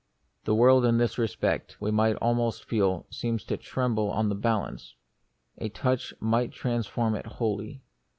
The world in this respect, we might almost feel, seems to tremble on the balance. A touch might transform it wholly.